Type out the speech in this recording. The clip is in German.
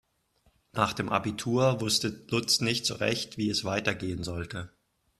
Nach dem Abitur wusste Lutz nicht so recht, wie es weitergehen sollte.